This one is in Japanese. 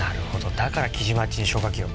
だから木島っちに消火器を。